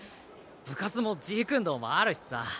部活もジークンドーもあるしさ。